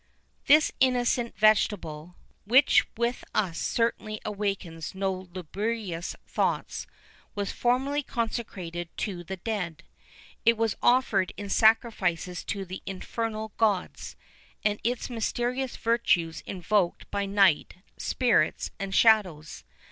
This innocent vegetable, which with us certainly awakens no lugubrious thoughts, was formerly consecrated to the dead. It was offered in sacrifices to the infernal gods, and its mysterious virtues evoked by night, spirits, and shadows.